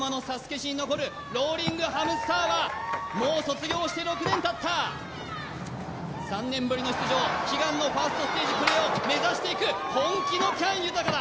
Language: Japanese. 史に残るローリングハムスターはもう卒業して６年たった３年ぶりの出場悲願のファーストステージクリアを目指していく本気の喜矢武豊だ